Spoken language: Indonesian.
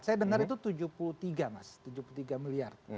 saya dengar itu tujuh puluh tiga mas tujuh puluh tiga miliar